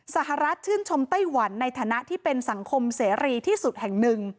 สหรัฐชื่นชมไต้หวันในฐานะที่เป็นสังคมเสรีที่สุดแห่งหนึ่ง